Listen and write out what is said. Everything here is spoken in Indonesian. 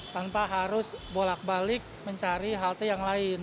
tanpa harus bolak balik mencari halte yang lain